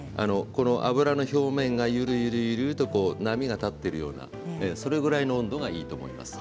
油の表面がゆるゆるゆると波が立っているようなそれぐらいの温度がいいと思います。